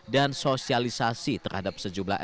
dan sosialisasi terhadap sekolah